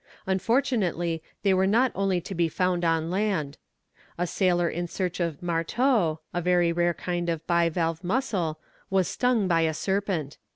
Unfortunately, they were not only to be found on land. A sailor in search of marteaux, a very rare kind of bivalve mussel, was stung by a serpent.